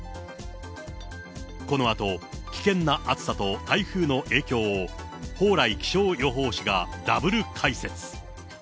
このあと、危険な暑さと台風の影響を蓬莱気象予報士がダブル解説。